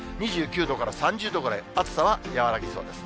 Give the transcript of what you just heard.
２９度から３０度ぐらい、暑さは和らぎそうです。